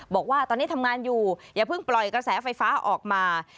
บอกว่าตอนนี้ทำงานอยู่อย่าเพิ่งปล่อยกระแสไฟฟ้าออกมา